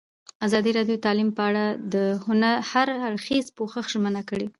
ازادي راډیو د تعلیم په اړه د هر اړخیز پوښښ ژمنه کړې.